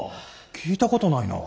聞いたことないな。